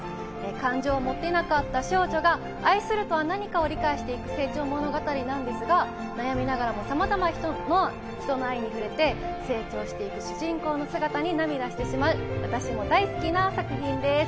感情を持てなかった少女が愛するとは何かを理解していく成長物語なのですが、悩みながらも、さまざまな人の愛に触れて成長していく主人公の姿に涙してしまう、私も大好きな作品です。